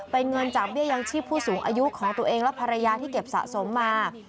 เป็นเงินจากเบี้ยยังชีพผู้สูงอายุของตัวเองและภรรยาที่เก็บสะสมมา